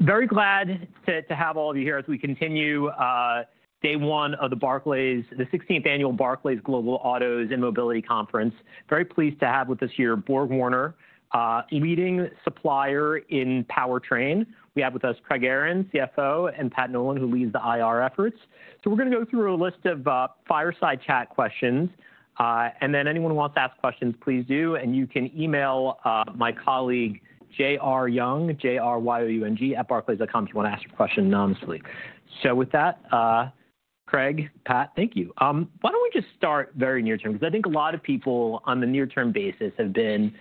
Very glad to have all of you here as we continue day one of the 16th annual Barclays Global Autos and Mobility conference. Very pleased to have with us here BorgWarner, a leading supplier in powertrain. We have with us Craig Aaron, CFO, and Pat Nolan, who leads the IR efforts. We are going to go through a list of fireside chat questions. Anyone who wants to ask questions, please do. You can email my colleague JRYoung, jryoung@barclays.com if you want to ask your question anonymously. With that, Craig, Pat, thank you. Why do we not just start very near term? I think a lot of people on the near-term basis have been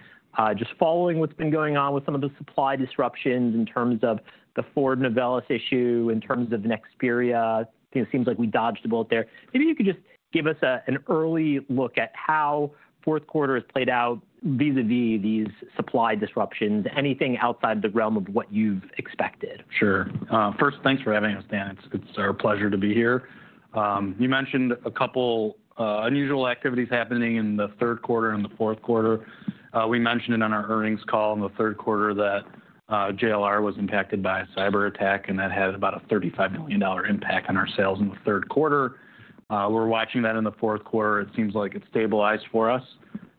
just following what has been going on with some of the supply disruptions in terms of the Ford Novelis issue, in terms of Nexperia. It seems like we dodged a bullet there. Maybe you could just give us an early look at how fourth quarter has played out vis-à-vis these supply disruptions, anything outside the realm of what you've expected. Sure. First, thanks for having us, Dan. It's our pleasure to be here. You mentioned a couple of unusual activities happening in the third quarter and the fourth quarter. We mentioned it on our earnings call in the third quarter that JLR was impacted by a cyber attack, and that had about a $35 million impact on our sales in the third quarter. We're watching that in the fourth quarter. It seems like it stabilized for us.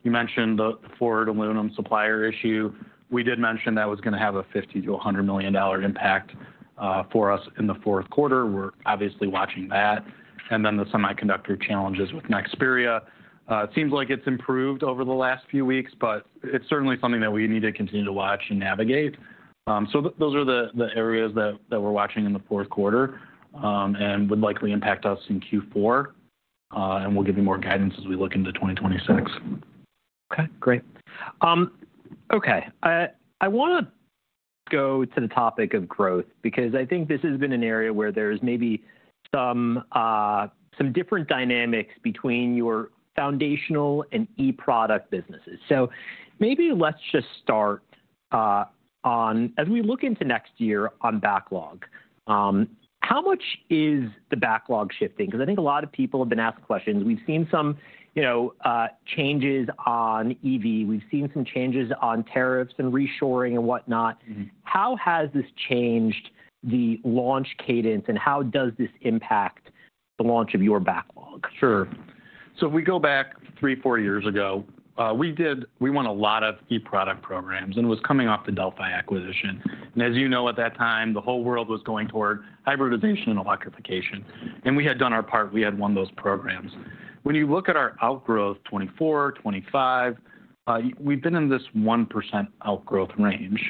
You mentioned the Ford aluminum supplier issue. We did mention that was going to have a $50 million-$100 million impact for us in the fourth quarter. We're obviously watching that. The semiconductor challenges with Nexperia, it seems like it's improved over the last few weeks, but it's certainly something that we need to continue to watch and navigate. Those are the areas that we're watching in the fourth quarter and would likely impact us in Q4. We'll give you more guidance as we look into 2026. Okay, great. Okay, I want to go to the topic of growth because I think this has been an area where there's maybe some different dynamics between your foundational and e-product businesses. Maybe let's just start on, as we look into next year on backlog, how much is the backlog shifting? I think a lot of people have been asking questions. We've seen some changes on EV. We've seen some changes on tariffs and reshoring and whatnot. How has this changed the launch cadence, and how does this impact the launch of your backlog? Sure. If we go back three, four years ago, we did, we won a lot of e-product programs and was coming off the Delphi acquisition. As you know, at that time, the whole world was going toward hybridization and electrification. We had done our part. We had won those programs. When you look at our outgrowth, 2024, 2025, we've been in this 1% outgrowth range.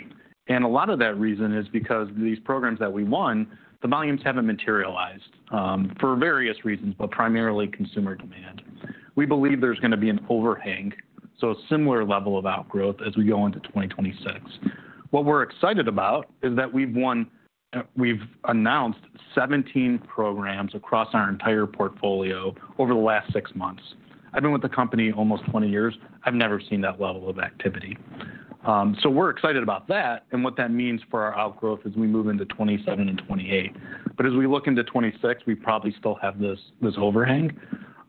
A lot of that reason is because these programs that we won, the volumes haven't materialized for various reasons, but primarily consumer demand. We believe there's going to be an overhang, so a similar level of outgrowth as we go into 2026. What we're excited about is that we've announced 17 programs across our entire portfolio over the last six months. I've been with the company almost 20 years. I've never seen that level of activity. We're excited about that. What that means for our outgrowth as we move into 2027 and 2028. As we look into 2026, we probably still have this overhang.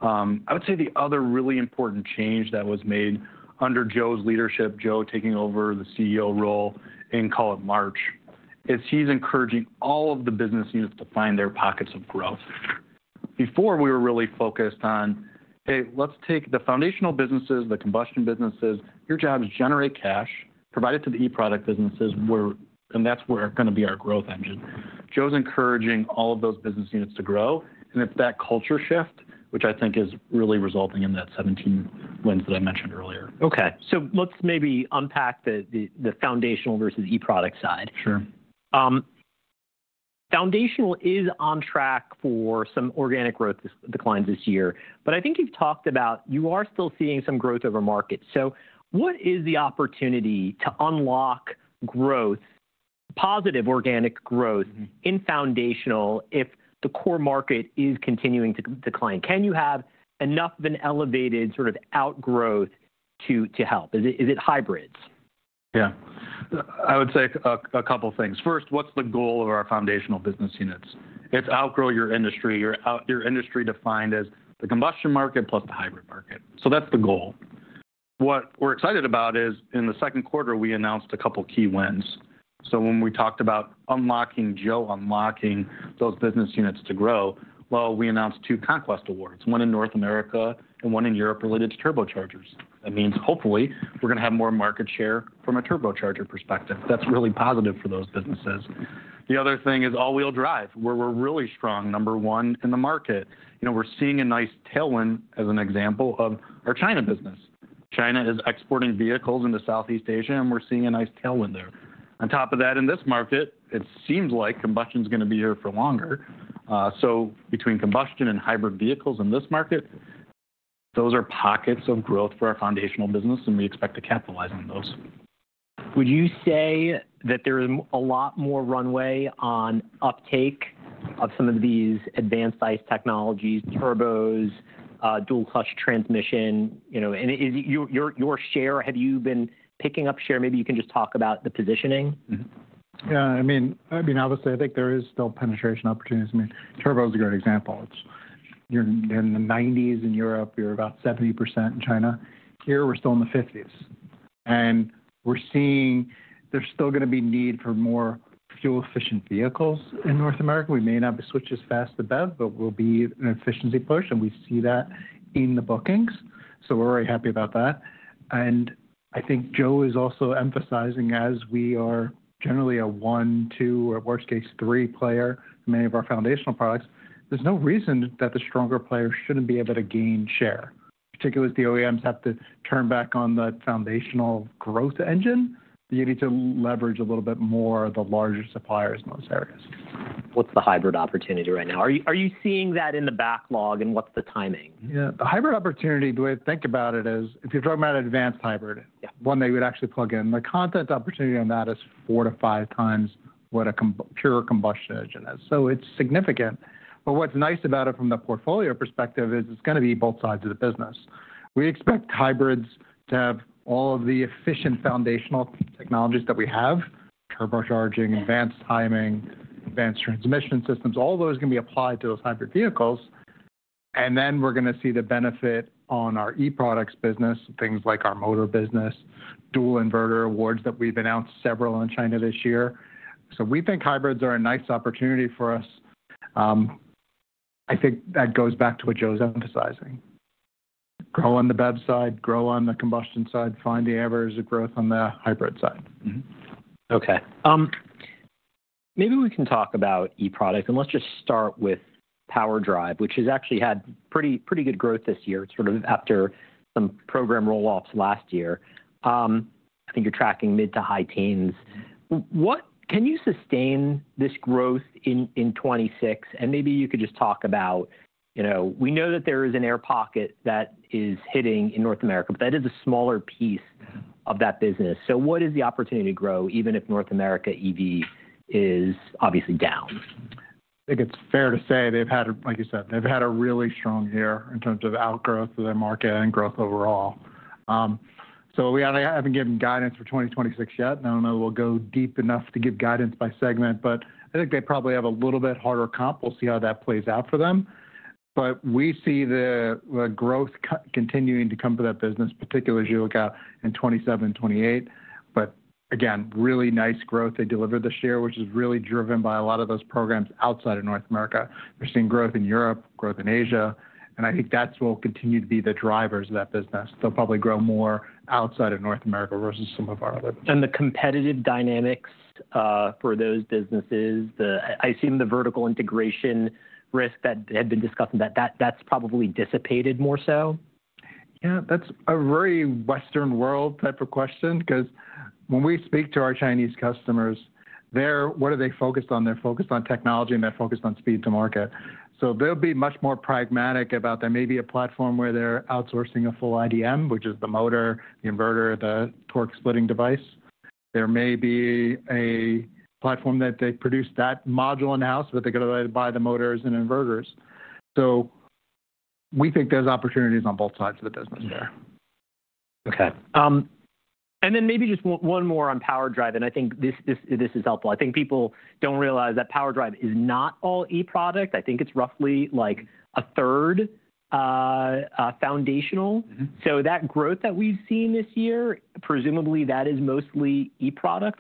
I would say the other really important change that was made under Joe's leadership, Joe taking over the CEO role in, call it March, is he's encouraging all of the business units to find their pockets of growth. Before, we were really focused on, hey, let's take the foundational businesses, the combustion businesses, your job is to generate cash, provide it to the e-product businesses, and that's where going to be our growth engine. Joe's encouraging all of those business units to grow. It's that culture shift, which I think is really resulting in that 2017 lens that I mentioned earlier. Okay. Let's maybe unpack the foundational versus e-product side. Sure. Foundational is on track for some organic growth declines this year. I think you've talked about you are still seeing some growth of a market. What is the opportunity to unlock growth, positive organic growth in foundational if the core market is continuing to decline? Can you have enough of an elevated sort of outgrowth to help? Is it hybrids? Yeah. I would say a couple of things. First, what's the goal of our foundational business units? It's outgrow your industry. Your industry is defined as the combustion market plus the hybrid market. That's the goal. What we're excited about is in the second quarter, we announced a couple of key wins. When we talked about unlocking, Joe unlocking those business units to grow, we announced two Conquest awards, one in North America and one in Europe related to turbochargers. That means hopefully we're going to have more market share from a turbocharger perspective. That's really positive for those businesses. The other thing is all-wheel drive, where we're really strong, number one in the market. We're seeing a nice tailwind as an example of our China business. China is exporting vehicles into Southeast Asia, and we're seeing a nice tailwind there. On top of that, in this market, it seems like combustion is going to be here for longer. Between combustion and hybrid vehicles in this market, those are pockets of growth for our foundational business, and we expect to capitalize on those. Would you say that there is a lot more runway on uptake of some of these advanced ICE technologies, turbos, dual-clutch transmission? Your share, have you been picking up share? Maybe you can just talk about the positioning. Yeah. I mean, obviously, I think there is still penetration opportunities. I mean, turbo is a great example. In the 1990s in Europe, you're about 70% in China. Here, we're still in the 50s. We are seeing there's still going to be need for more fuel-efficient vehicles in North America. We may not switch as fast to BEV, but we'll be an efficiency push. We see that in the bookings. We are very happy about that. I think Joe is also emphasizing, as we are generally a one, two, or worst case three player in many of our foundational products, there's no reason that the stronger player shouldn't be able to gain share, particularly as the OEMs have to turn back on the foundational growth engine. You need to leverage a little bit more of the larger suppliers in those areas. What's the hybrid opportunity right now? Are you seeing that in the backlog, and what's the timing? Yeah. The hybrid opportunity, the way I think about it is, if you're talking about advanced hybrid, one that you would actually plug in, the content opportunity on that is four to five times what a pure combustion engine is. It is significant. What is nice about it from the portfolio perspective is it is going to be both sides of the business. We expect hybrids to have all of the efficient foundational technologies that we have: turbocharging, advanced timing, advanced transmission systems. All those are going to be applied to those hybrid vehicles. We are going to see the benefit on our e-products business, things like our motor business, dual inverter awards that we have announced several in China this year. We think hybrids are a nice opportunity for us. I think that goes back to what Joe's emphasizing: grow on the BEV side, grow on the combustion side, find the areas of growth on the hybrid side. Okay. Maybe we can talk about e-products. And let's just start with PowerDrive, which has actually had pretty good growth this year, sort of after some program rolloffs last year. I think you're tracking mid to high teens. Can you sustain this growth in 2026? And maybe you could just talk about, we know that there is an air pocket that is hitting in North America, but that is a smaller piece of that business. So what is the opportunity to grow, even if North America EV is obviously down? I think it's fair to say they've had, like you said, they've had a really strong year in terms of outgrowth of their market and growth overall. We haven't given guidance for 2026 yet. I don't know that we'll go deep enough to give guidance by segment, but I think they probably have a little bit harder comp. We'll see how that plays out for them. We see the growth continuing to come for that business, particularly as you look out in 2027, 2028. Again, really nice growth. They delivered the share, which is really driven by a lot of those programs outside of North America. We're seeing growth in Europe, growth in Asia. I think that's what will continue to be the drivers of that business. They'll probably grow more outside of North America versus some of our other. The competitive dynamics for those businesses, I assume the vertical integration risk that had been discussed, that that's probably dissipated more so? Yeah, that's a very Western world type of question because when we speak to our Chinese customers, what are they focused on? They're focused on technology, and they're focused on speed to market. They'll be much more pragmatic about there may be a platform where they're outsourcing a full IDM, which is the motor, the inverter, the torque splitting device. There may be a platform that they produce that module in-house, but they go to buy the motors and inverters. We think there's opportunities on both sides of the business there. Okay. Maybe just one more on PowerDrive. I think this is helpful. I think people do not realize that PowerDrive is not all e-product. I think it is roughly like a third foundational. That growth that we have seen this year, presumably that is mostly e-product.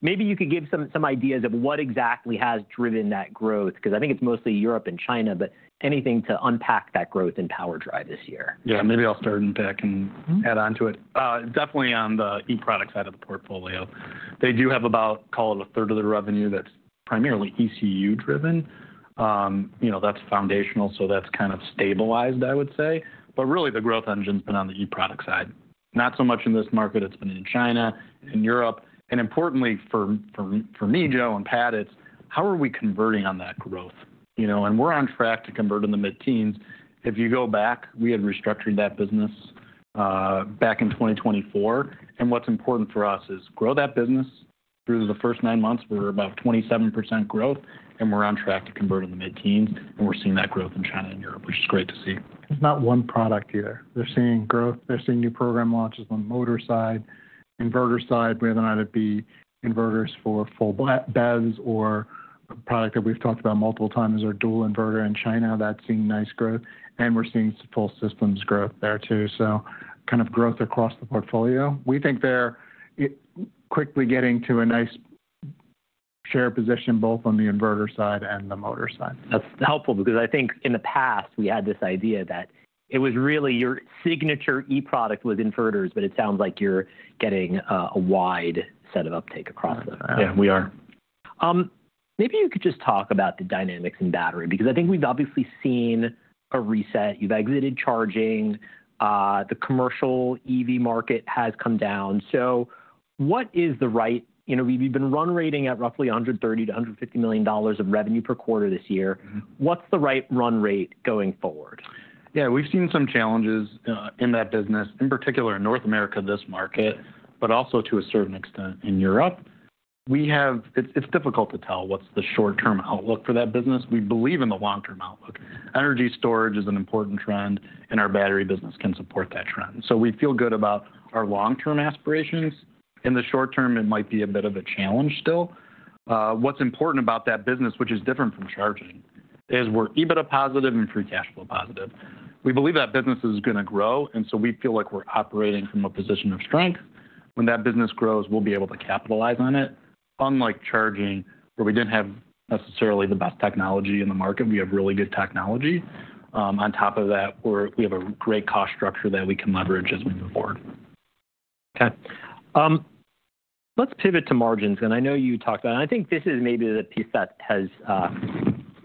Maybe you could give some ideas of what exactly has driven that growth because I think it is mostly Europe and China, but anything to unpack that growth in PowerDrive this year. Yeah, maybe I'll start and pick and add on to it. Definitely on the e-product side of the portfolio. They do have about, call it a third of their revenue that's primarily ECU-driven. That's foundational. So that's kind of stabilized, I would say. Really, the growth engine's been on the e-product side. Not so much in this market. It's been in China and Europe. Importantly for me, Joe, and Pat, it's how are we converting on that growth? We're on track to convert in the mid-teens. If you go back, we had restructured that business back in 2024. What's important for us is grow that business. Through the first nine months, we're about 27% growth, and we're on track to convert in the mid-teens. We're seeing that growth in China and Europe, which is great to see. There's not one product here. They're seeing growth. They're seeing new program launches on motor side, inverter side, whether or not it be inverters for full BEVs or a product that we've talked about multiple times is our dual inverter in China. That's seeing nice growth. We're seeing full systems growth there too. Kind of growth across the portfolio. We think they're quickly getting to a nice share position both on the inverter side and the motor side. That's helpful because I think in the past, we had this idea that it was really your signature e-product was inverters, but it sounds like you're getting a wide set of uptake across the. Yeah, we are. Maybe you could just talk about the dynamics in battery because I think we've obviously seen a reset. You've exited charging. The commercial EV market has come down. What is the right, we've been run rating at roughly $130 million-$150 million of revenue per quarter this year. What's the right run rate going forward? Yeah, we've seen some challenges in that business, in particular in North America, this market, but also to a certain extent in Europe. It's difficult to tell what's the short-term outlook for that business. We believe in the long-term outlook. Energy storage is an important trend, and our battery business can support that trend. We feel good about our long-term aspirations. In the short term, it might be a bit of a challenge still. What's important about that business, which is different from charging, is we're EBITDA positive and free cash flow positive. We believe that business is going to grow. We feel like we're operating from a position of strength. When that business grows, we'll be able to capitalize on it. Unlike charging, where we didn't have necessarily the best technology in the market, we have really good technology. On top of that, we have a great cost structure that we can leverage as we move forward. Okay. Let's pivot to margins. I know you talked about, and I think this is maybe the piece that has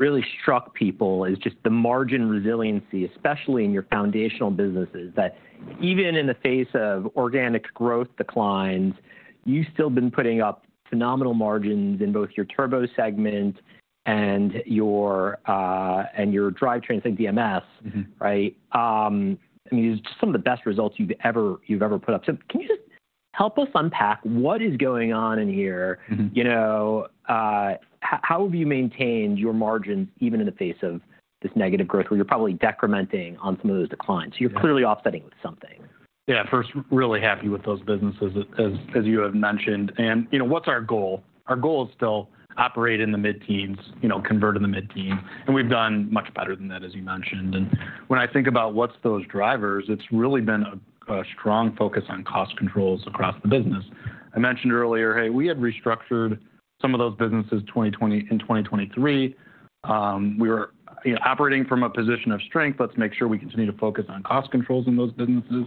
really struck people, is just the margin resiliency, especially in your foundational businesses, that even in the face of organic growth declines, you've still been putting up phenomenal margins in both your turbo segment and your drive trains, like DMS, right? I mean, it's just some of the best results you've ever put up. Can you just help us unpack what is going on in here? How have you maintained your margins even in the face of this negative growth where you're probably decrementing on some of those declines? You're clearly offsetting with something. Yeah, first, really happy with those businesses, as you have mentioned. What's our goal? Our goal is still operate in the mid-teens, convert in the mid-teens. We've done much better than that, as you mentioned. When I think about what's those drivers, it's really been a strong focus on cost controls across the business. I mentioned earlier, hey, we had restructured some of those businesses in 2023. We were operating from a position of strength. Let's make sure we continue to focus on cost controls in those businesses.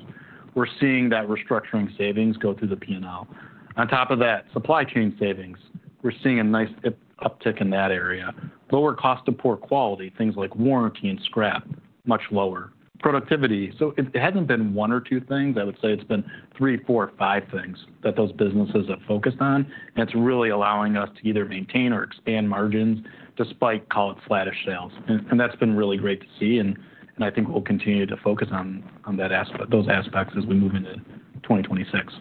We're seeing that restructuring savings go through the P&L. On top of that, supply chain savings. We're seeing a nice uptick in that area. Lower cost of poor quality, things like warranty and scrap, much lower. Productivity. It hasn't been one or two things. I would say it's been three, four, five things that those businesses have focused on. It's really allowing us to either maintain or expand margins despite, call it, slattish sales. That's been really great to see. I think we'll continue to focus on those aspects as we move into 2026.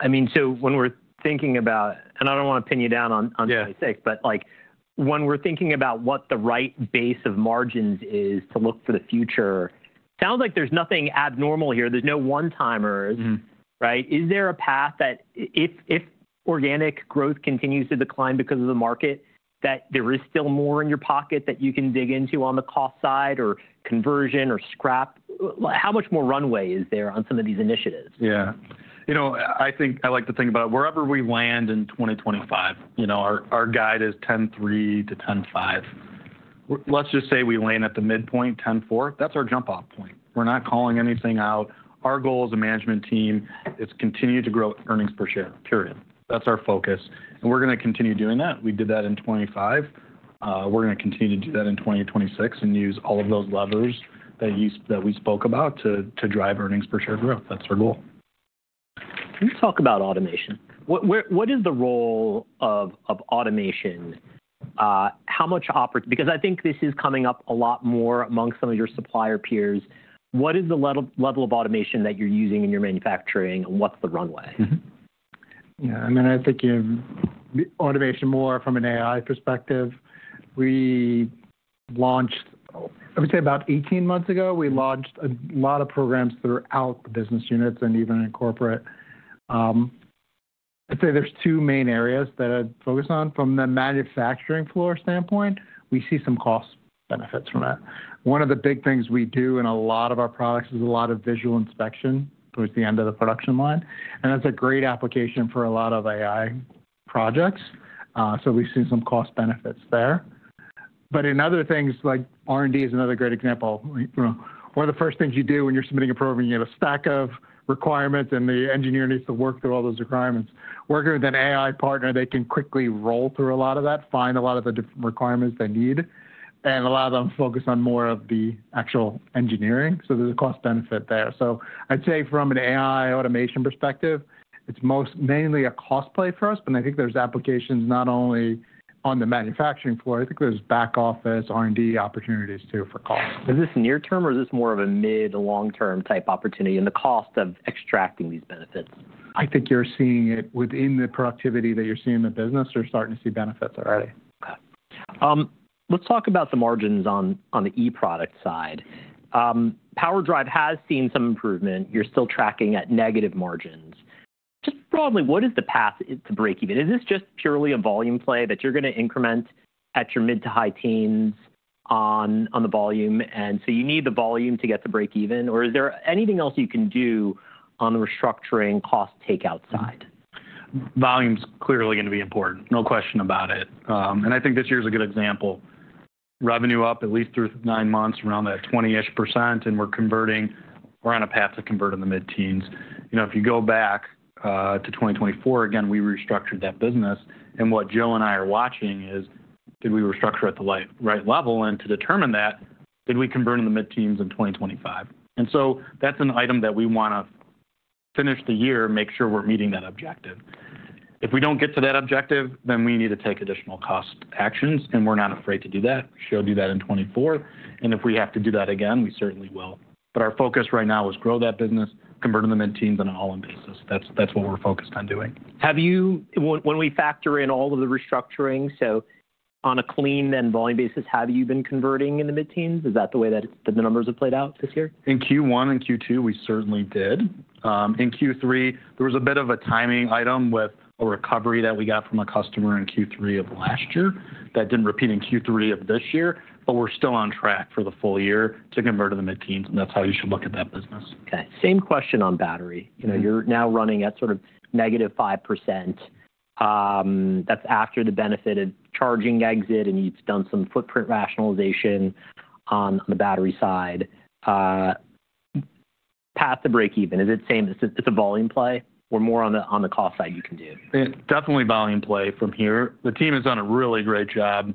I mean, so when we're thinking about, and I don't want to pin you down on '26, but when we're thinking about what the right base of margins is to look for the future, it sounds like there's nothing abnormal here. There's no one-timers, right? Is there a path that if organic growth continues to decline because of the market, that there is still more in your pocket that you can dig into on the cost side or conversion or scrap? How much more runway is there on some of these initiatives? Yeah. You know, I think I like to think about it. Wherever we land in 2025, our guide is 10.3-10.5. Let's just say we land at the midpoint, 10.4. That's our jump-off point. We're not calling anything out. Our goal as a management team is to continue to grow earnings per share, period. That's our focus. We're going to continue doing that. We did that in 2025. We're going to continue to do that in 2026 and use all of those levers that we spoke about to drive earnings per share growth. That's our goal. Can you talk about automation? What is the role of automation? How much? Because I think this is coming up a lot more among some of your supplier peers. What is the level of automation that you're using in your manufacturing, and what's the runway? Yeah. I mean, I think you have automation more from an AI perspective. I would say about 18 months ago, we launched a lot of programs throughout the business units and even in corporate. I'd say there's two main areas that I'd focus on. From the manufacturing floor standpoint, we see some cost benefits from that. One of the big things we do in a lot of our products is a lot of visual inspection towards the end of the production line. That's a great application for a lot of AI projects. We have seen some cost benefits there. In other things, like R&D is another great example. One of the first things you do when you're submitting a program, you have a stack of requirements, and the engineer needs to work through all those requirements. Working with an AI partner, they can quickly roll through a lot of that, find a lot of the different requirements they need, and allow them to focus on more of the actual engineering. There is a cost benefit there. I'd say from an AI automation perspective, it's mainly a cost play for us. I think there's applications not only on the manufacturing floor. I think there's back office, R&D opportunities too for cost. Is this near-term, or is this more of a mid to long-term type opportunity in the cost of extracting these benefits? I think you're seeing it within the productivity that you're seeing in the business. They're starting to see benefits already. Okay. Let's talk about the margins on the e-product side. PowerDrive has seen some improvement. You're still tracking at negative margins. Just broadly, what is the path to break even? Is this just purely a volume play that you're going to increment at your mid to high teens on the volume? You need the volume to get to break even? Is there anything else you can do on the restructuring cost takeout side? Volume's clearly going to be important. No question about it. I think this year's a good example. Revenue up at least through nine months, around that 20% ish. We're on a path to convert in the mid-teens. If you go back to 2024, again, we restructured that business. What Joe and I are watching is, did we restructure at the right level? To determine that, did we convert in the mid-teens in 2025? That's an item that we want to finish the year, make sure we're meeting that objective. If we don't get to that objective, we need to take additional cost actions. We're not afraid to do that. We should do that in 2024. If we have to do that again, we certainly will. Our focus right now is to grow that business, convert in the mid-teens on an all-in basis. That's what we're focused on doing. When we factor in all of the restructuring, so on a clean and volume basis, have you been converting in the mid-teens? Is that the way that the numbers have played out this year? In Q1 and Q2, we certainly did. In Q3, there was a bit of a timing item with a recovery that we got from a customer in Q3 of last year that did not repeat in Q3 of this year. We are still on track for the full year to convert in the mid-teens. That is how you should look at that business. Okay. Same question on battery. You're now running at sort of negative 5%. That's after the benefit of charging exit, and you've done some footprint rationalization on the battery side. Path to break even, is it the same? It's a volume play or more on the cost side you can do? Definitely volume play from here. The team has done a really great job.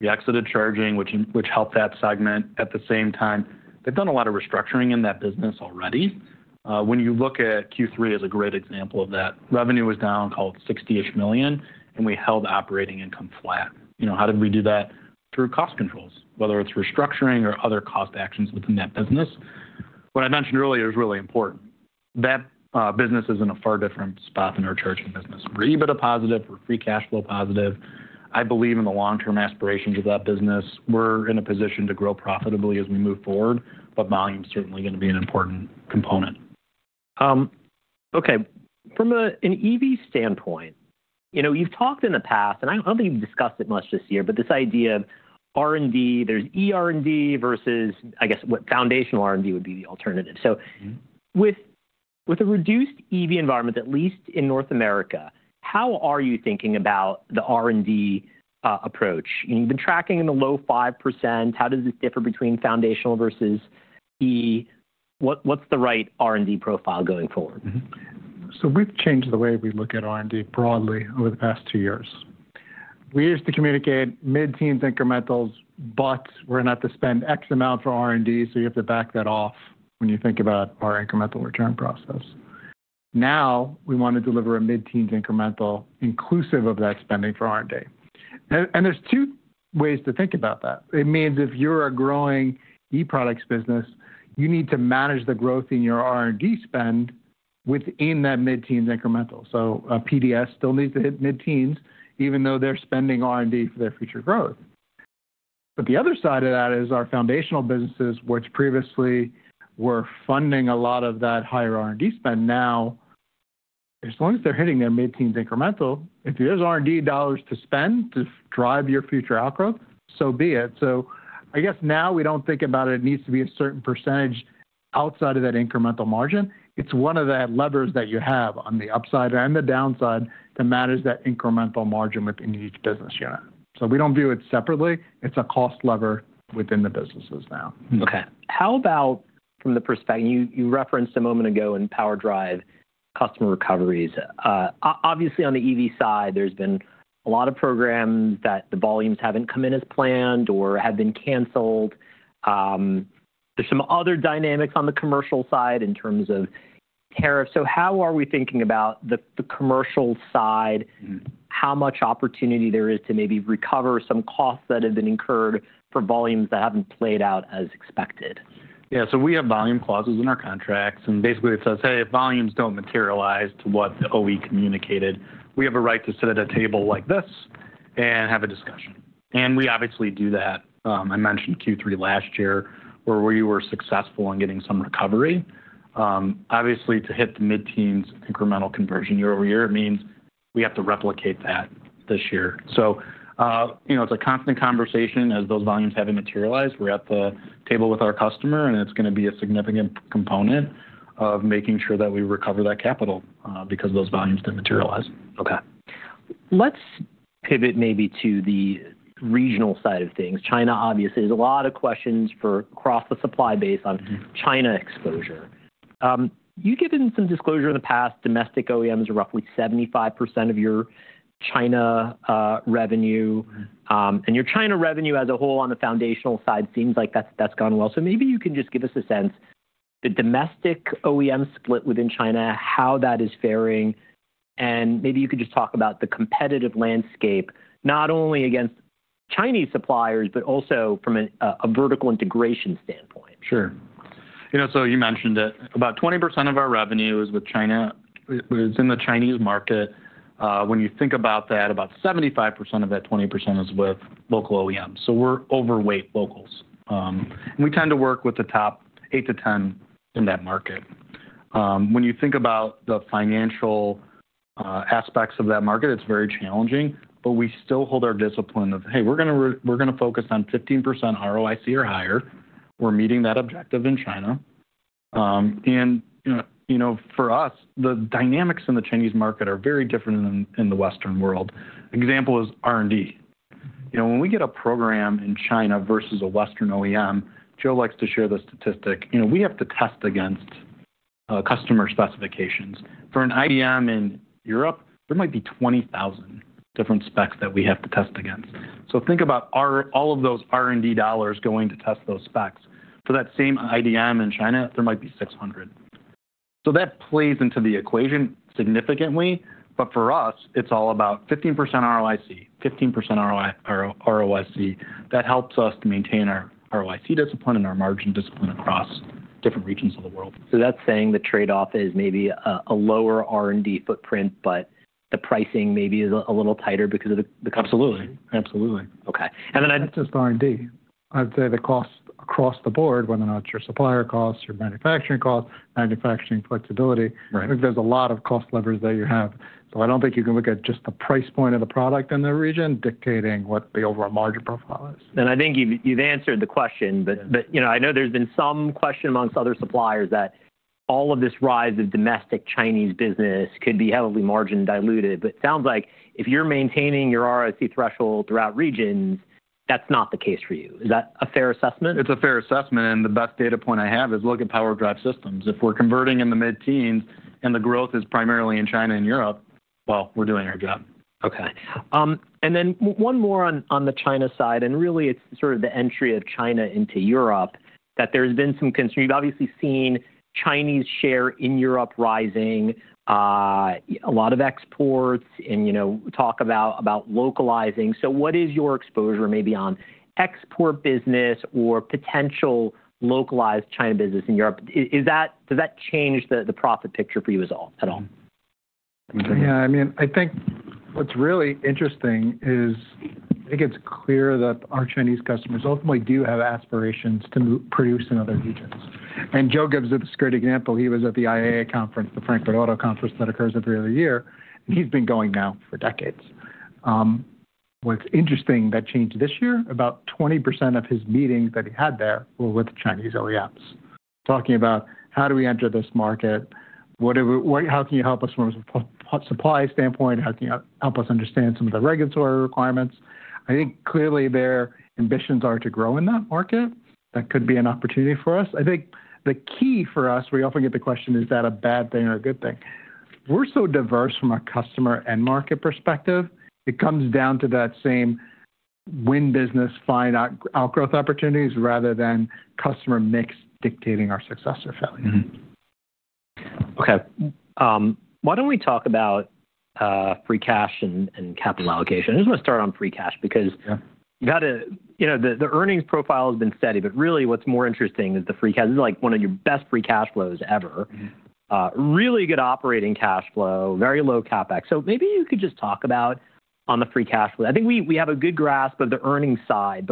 We exited charging, which helped that segment. At the same time, they've done a lot of restructuring in that business already. When you look at Q3 as a great example of that, revenue was down, called $60 million-ish, and we held operating income flat. How did we do that? Through cost controls, whether it's restructuring or other cost actions within that business. What I mentioned earlier is really important. That business is in a far different spot than our charging business. We're EBITDA positive. We're free cash flow positive. I believe in the long-term aspirations of that business. We're in a position to grow profitably as we move forward. Volume's certainly going to be an important component. Okay. From an EV standpoint, you've talked in the past, and I don't think you've discussed it much this year, but this idea of R&D, there's eR&D versus, I guess, what foundational R&D would be the alternative. With a reduced EV environment, at least in North America, how are you thinking about the R&D approach? You've been tracking in the low 5%. How does this differ between foundational versus E? What's the right R&D profile going forward? We have changed the way we look at R&D broadly over the past two years. We used to communicate mid-teens incrementals, but we are not to spend X amount for R&D. You have to back that off when you think about our incremental return process. Now we want to deliver a mid-teens incremental inclusive of that spending for R&D. There are two ways to think about that. It means if you are a growing e-products business, you need to manage the growth in your R&D spend within that mid-teens incremental. PDS still needs to hit mid-teens, even though they are spending R&D for their future growth. The other side of that is our foundational businesses, which previously were funding a lot of that higher R&D spend. Now, as long as they are hitting their mid-teens incremental, if there are R&D dollars to spend to drive your future outgrowth, so be it. I guess now we don't think about it needs to be a certain percentage outside of that incremental margin. It's one of the levers that you have on the upside and the downside that manage that incremental margin within each business unit. We don't view it separately. It's a cost lever within the businesses now. Okay. How about from the perspective you referenced a moment ago in PowerDrive, customer recoveries. Obviously, on the EV side, there's been a lot of programs that the volumes haven't come in as planned or have been canceled. There's some other dynamics on the commercial side in terms of tariffs. How are we thinking about the commercial side, how much opportunity there is to maybe recover some costs that have been incurred for volumes that haven't played out as expected? Yeah. We have volume clauses in our contracts. Basically, it says, "Hey, if volumes don't materialize to what OE communicated, we have a right to sit at a table like this and have a discussion." We obviously do that. I mentioned Q3 last year where we were successful in getting some recovery. Obviously, to hit the mid-teens incremental conversion year over year, it means we have to replicate that this year. It is a constant conversation. As those volumes haven't materialized, we're at the table with our customer, and it's going to be a significant component of making sure that we recover that capital because those volumes didn't materialize. Okay. Let's pivot maybe to the regional side of things. China, obviously, there's a lot of questions across the supply base on China exposure. You've given some disclosure in the past. Domestic OEMs are roughly 75% of your China revenue. And your China revenue as a whole on the foundational side seems like that's gone well. Maybe you can just give us a sense of the domestic OEM split within China, how that is faring. Maybe you could just talk about the competitive landscape, not only against Chinese suppliers, but also from a vertical integration standpoint. Sure. You mentioned that about 20% of our revenue is with China. It is in the Chinese market. When you think about that, about 75% of that 20% is with local OEMs. We are overweight locals. We tend to work with the top 8-10 in that market. When you think about the financial aspects of that market, it is very challenging. We still hold our discipline of, "Hey, we are going to focus on 15% ROIC or higher. We are meeting that objective in China." For us, the dynamics in the Chinese market are very different than in the Western world. An example is R&D. When we get a program in China versus a Western OEM, Joe likes to share the statistic. We have to test against customer specifications. For an IDM in Europe, there might be 20,000 different specs that we have to test against. Think about all of those R&D dollars going to test those specs. For that same IDM in China, there might be 600. That plays into the equation significantly. For us, it's all about 15% ROIC, 15% ROIC. That helps us to maintain our ROIC discipline and our margin discipline across different regions of the world. That's saying the trade-off is maybe a lower R&D footprint, but the pricing maybe is a little tighter because of the. Absolutely. Absolutely. Okay. Then. It's just R&D. I'd say the cost across the board, whether or not your supplier costs, your manufacturing costs, manufacturing flexibility, I think there's a lot of cost levers that you have. I don't think you can look at just the price point of the product in the region dictating what the overall margin profile is. I think you've answered the question. I know there's been some question amongst other suppliers that all of this rise of domestic Chinese business could be heavily margin diluted. It sounds like if you're maintaining your ROIC threshold throughout regions, that's not the case for you. Is that a fair assessment? It's a fair assessment. The best data point I have is look at PowerDrive systems. If we're converting in the mid-teens and the growth is primarily in China and Europe, well, we're doing our job. Okay. One more on the China side. Really, it's sort of the entry of China into Europe that there's been some concern. You've obviously seen Chinese share in Europe rising, a lot of exports, and talk about localizing. What is your exposure maybe on export business or potential localized China business in Europe? Does that change the profit picture for you at all? Yeah. I mean, I think what's really interesting is I think it's clear that our Chinese customers ultimately do have aspirations to produce in other regions. And Joe gives a great example. He was at the IAA conference, the Frankfurt Auto Conference that occurs every other year. And he's been going now for decades. What's interesting, that changed this year. About 20% of his meetings that he had there were with Chinese OEMs talking about, "How do we enter this market? How can you help us from a supply standpoint? How can you help us understand some of the regulatory requirements?" I think clearly their ambitions are to grow in that market. That could be an opportunity for us. I think the key for us, we often get the question, "Is that a bad thing or a good thing?" We're so diverse from a customer and market perspective. It comes down to that same win business, find outgrowth opportunities rather than customer mix dictating our success or failure. Okay. Why don't we talk about free cash and capital allocation? I just want to start on free cash because you've had a, the earnings profile has been steady. What is really more interesting is the free cash. This is like one of your best free cash flows ever. Really good operating cash flow, very low CapEx. Maybe you could just talk about on the free cash flow. I think we have a good grasp of the earnings side.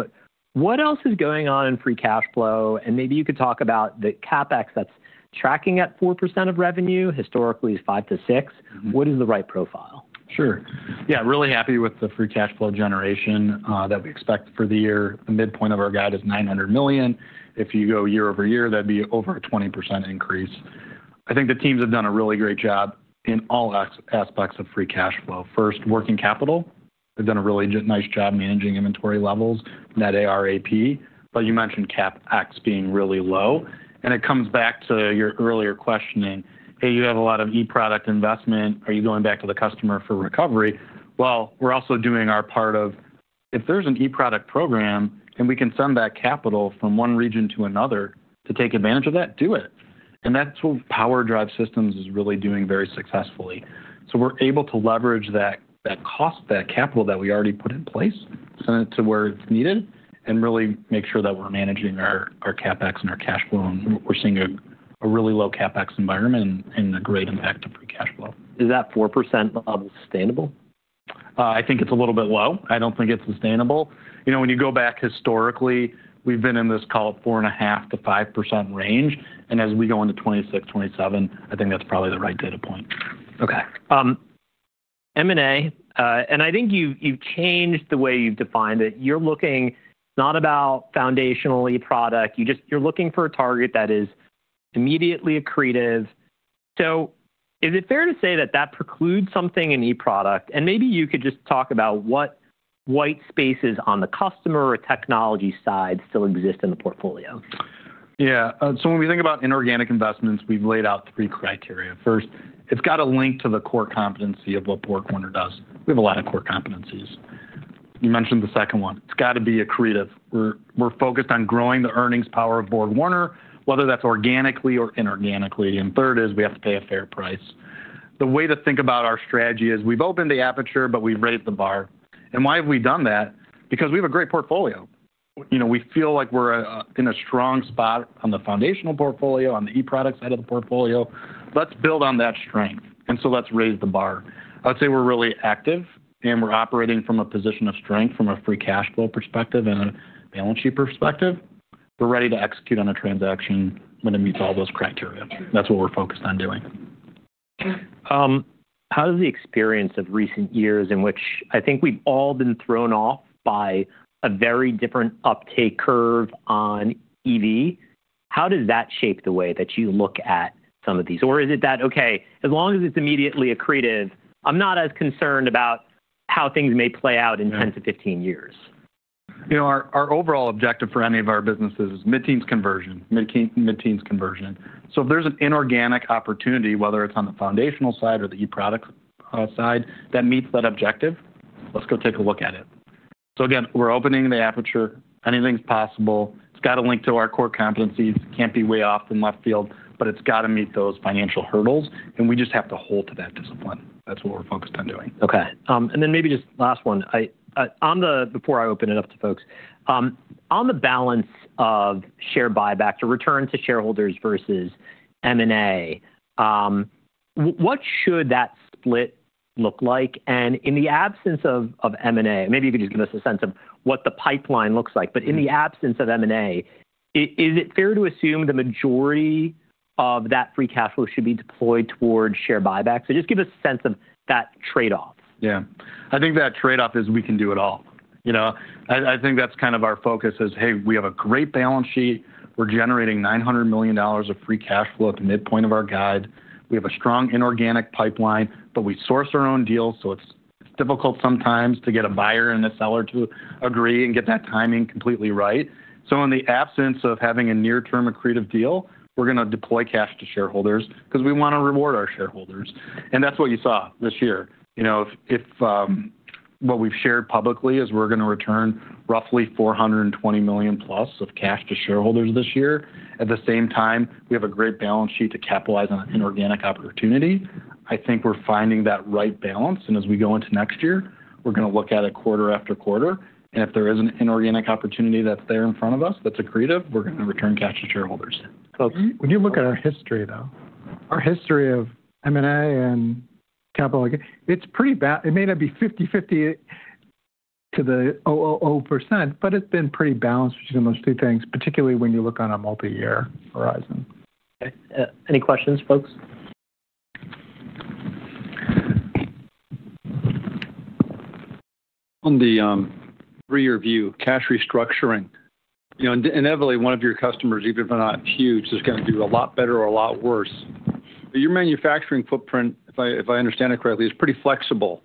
What else is going on in free cash flow? Maybe you could talk about the CapEx that's tracking at 4% of revenue, historically is 5-6%. What is the right profile? Sure. Yeah. Really happy with the free cash flow generation that we expect for the year. The midpoint of our guide is $900 million. If you go year over year, that'd be over a 20% increase. I think the teams have done a really great job in all aspects of free cash flow. First, working capital. They've done a really nice job managing inventory levels, net ARAP. You mentioned CapEx being really low. It comes back to your earlier questioning, "Hey, you have a lot of e-product investment. Are you going back to the customer for recovery?" We are also doing our part of if there's an e-product program and we can send that capital from one region to another to take advantage of that, do it. That is what PowerDrive systems is really doing very successfully. We're able to leverage that cost, that capital that we already put in place, send it to where it's needed, and really make sure that we're managing our CapEx and our cash flow. We're seeing a really low CapEx environment and a great impact to free cash flow. Is that 4% level sustainable? I think it's a little bit low. I don't think it's sustainable. When you go back historically, we've been in this, call it 4.5-5% range. As we go into 2026, 2027, I think that's probably the right data point. Okay. M&A. I think you've changed the way you've defined it. You're looking not about foundational e-product. You're looking for a target that is immediately accretive. Is it fair to say that that precludes something in e-product? Maybe you could just talk about what white spaces on the customer or technology side still exist in the portfolio. Yeah. When we think about inorganic investments, we've laid out three criteria. First, it's got to link to the core competency of what BorgWarner does. We have a lot of core competencies. You mentioned the second one. It's got to be accretive. We're focused on growing the earnings power of BorgWarner, whether that's organically or inorganically. Third is we have to pay a fair price. The way to think about our strategy is we've opened the aperture, but we've raised the bar. Why have we done that? Because we have a great portfolio. We feel like we're in a strong spot on the foundational portfolio, on the e-product side of the portfolio. Let's build on that strength. Let's raise the bar. I would say we're really active, and we're operating from a position of strength from a free cash flow perspective and a balance sheet perspective. We're ready to execute on a transaction when it meets all those criteria. That's what we're focused on doing. How does the experience of recent years in which I think we've all been thrown off by a very different uptake curve on EV, how does that shape the way that you look at some of these? Or is it that, "Okay, as long as it's immediately accretive, I'm not as concerned about how things may play out in 10-15 years"? Our overall objective for any of our businesses is mid-teens conversion, mid-teens conversion. If there's an inorganic opportunity, whether it's on the foundational side or the e-product side, that meets that objective, let's go take a look at it. Again, we're opening the aperture. Anything's possible. It's got to link to our core competencies. Can't be way off the left field, but it's got to meet those financial hurdles. We just have to hold to that discipline. That's what we're focused on doing. Okay. Maybe just last one. Before I open it up to folks, on the balance of share buyback to return to shareholders versus M&A, what should that split look like? In the absence of M&A, maybe you could just give us a sense of what the pipeline looks like. In the absence of M&A, is it fair to assume the majority of that free cash flow should be deployed towards share buyback? Just give us a sense of that trade-off. Yeah. I think that trade-off is we can do it all. I think that's kind of our focus is, "Hey, we have a great balance sheet. We're generating $900 million of free cash flow at the midpoint of our guide. We have a strong inorganic pipeline, but we source our own deals." It is difficult sometimes to get a buyer and a seller to agree and get that timing completely right. In the absence of having a near-term accretive deal, we're going to deploy cash to shareholders because we want to reward our shareholders. That is what you saw this year. What we've shared publicly is we're going to return roughly $420 million plus of cash to shareholders this year. At the same time, we have a great balance sheet to capitalize on an inorganic opportunity. I think we're finding that right balance. As we go into next year, we're going to look at it quarter after quarter. If there is an inorganic opportunity that's there in front of us that's accretive, we're going to return cash to shareholders. When you look at our history, though, our history of M&A and capital, it's pretty bad. It may not be 50/50 to the 0%, but it's been pretty balanced between those two things, particularly when you look on a multi-year horizon. Any questions, folks? On the three-year view, cash restructuring. Inevitably, one of your customers, even if they're not huge, is going to do a lot better or a lot worse. Your manufacturing footprint, if I understand it correctly, is pretty flexible.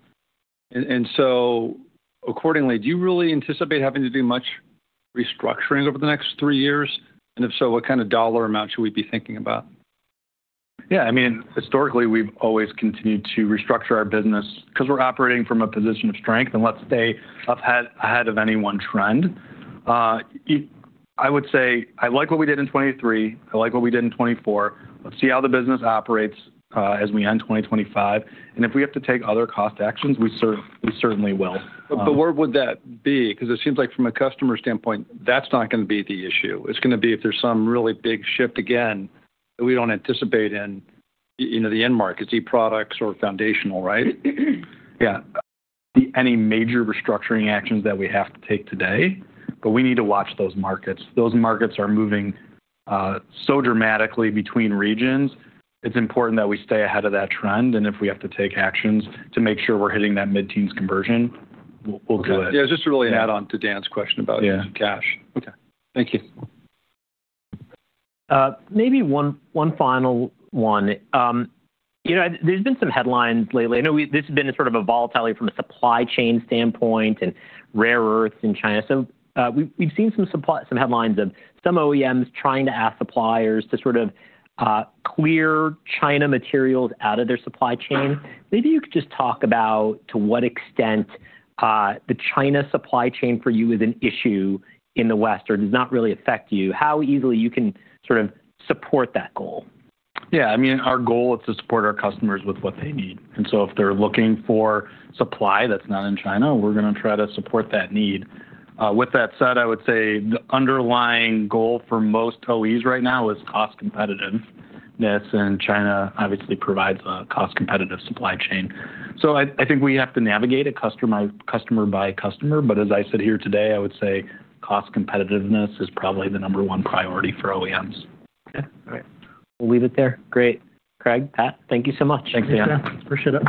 Accordingly, do you really anticipate having to do much restructuring over the next three years? If so, what kind of dollar amount should we be thinking about? Yeah. I mean, historically, we've always continued to restructure our business because we're operating from a position of strength. Let's stay ahead of any one trend. I would say I like what we did in 2023. I like what we did in 2024. Let's see how the business operates as we end 2025. If we have to take other cost actions, we certainly will. Where would that be? Because it seems like from a customer standpoint, that's not going to be the issue. It's going to be if there's some really big shift again that we don't anticipate in the end markets, e-products or foundational, right? Yeah. Any major restructuring actions that we have to take today. We need to watch those markets. Those markets are moving so dramatically between regions. It's important that we stay ahead of that trend. If we have to take actions to make sure we're hitting that mid-teens conversion, we'll do it. Yeah. Just really an add-on to Dan's question about cash. Okay. Thank you. Maybe one final one. There's been some headlines lately. I know this has been sort of a volatility from a supply chain standpoint and rare earths in China. We've seen some headlines of some OEMs trying to ask suppliers to sort of clear China materials out of their supply chain. Maybe you could just talk about to what extent the China supply chain for you is an issue in the West or does not really affect you, how easily you can sort of support that goal. Yeah. I mean, our goal, it's to support our customers with what they need. If they're looking for supply that's not in China, we're going to try to support that need. With that said, I would say the underlying goal for most OEs right now is cost competitiveness. China obviously provides a cost competitive supply chain. I think we have to navigate it customer by customer. As I sit here today, I would say cost competitiveness is probably the number one priority for OEMs. Okay. All right. We'll leave it there. Great. Craig, Pat, thank you so much. Thanks, Dan. Appreciate it.